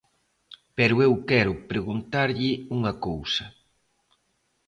Pero eu quero preguntarlle unha cousa.